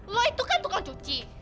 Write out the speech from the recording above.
lo itu kan tukang cuci